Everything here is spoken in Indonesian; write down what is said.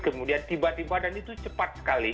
kemudian tiba tiba dan itu cepat sekali